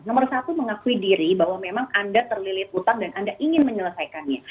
nomor satu mengakui diri bahwa memang anda terlilit utang dan anda ingin menyelesaikannya